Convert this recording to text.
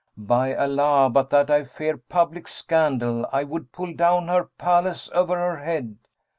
By Allah, but that I fear public scandal, I would pull down her palace over her head!'